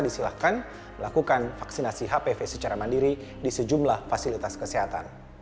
disilahkan melakukan vaksinasi hpv secara mandiri di sejumlah fasilitas kesehatan